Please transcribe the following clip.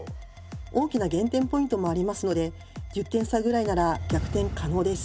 大きな減点ポイントもありますので１０点差ぐらいなら逆転可能です。